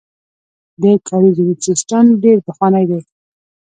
د کاریزونو سیسټم ډیر پخوانی دی